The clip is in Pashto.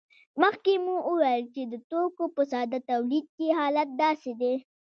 مخکې مو وویل چې د توکو په ساده تولید کې حالت داسې دی